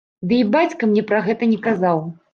Ды і бацька мне пра гэта не казаў.